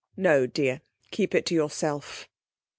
'No, dear; keep it to yourself.'